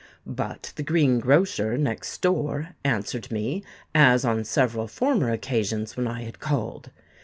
But the green grocer next door answered me, as on several former occasions when I had called.